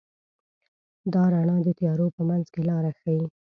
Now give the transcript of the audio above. دا رڼا د تیارو په منځ کې لاره ښيي.